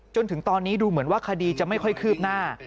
จนถึงตอนนี้ดูเหมือนว่าคดีจะไม่ค่อยคืบหน้า